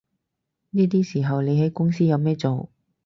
呢啲時候你喺公司有咩做